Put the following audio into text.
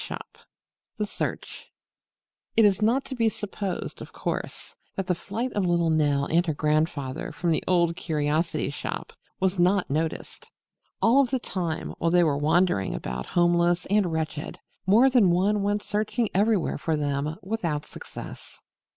III THE SEARCH It is not to be supposed, of course, that the flight of little Nell and her grandfather from the Old Curiosity Shop was not noticed. All the time, while they were wandering about homeless and wretched, more than one went searching everywhere for them without success.